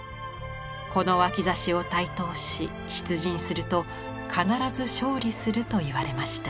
この脇差を帯刀し出陣すると必ず勝利するといわれました。